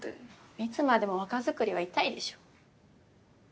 いつまでも若作りはイタいでしょ。